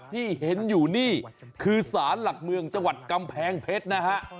ที่เห็นอยู่นี่คือสารหลักเมืองจังหวัดกำแพงเพชรนะฮะ